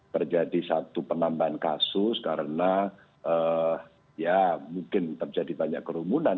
terjadi satu penambahan kasus karena ya mungkin terjadi banyak kerumunan